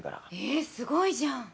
すごいじゃん！